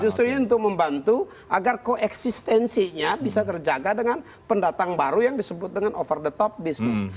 justru ini untuk membantu agar koeksistensinya bisa terjaga dengan pendatang baru yang disebut dengan over the top business